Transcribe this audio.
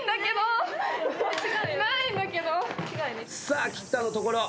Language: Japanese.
さあ菊田のところ。